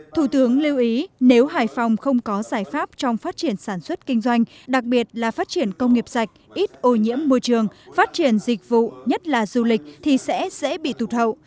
thủ tướng lưu ý nếu hải phòng không có giải pháp trong phát triển sản xuất kinh doanh đặc biệt là phát triển công nghiệp sạch ít ô nhiễm môi trường phát triển dịch vụ nhất là du lịch thì sẽ dễ bị tụt hậu